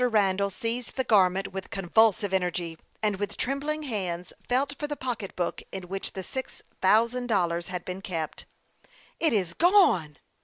Randall seized the garment with convulsive energy, and with trembling hands felt for the pock etbook in which the six thousand dollars had been kept. " It is gone